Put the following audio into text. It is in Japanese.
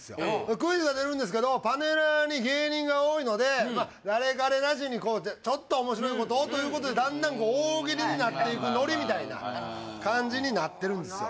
クイズが出るんですけどパネラーに芸人が多いので誰彼なしにちょっと面白いことをということでだんだんみたいな感じになってるんですよ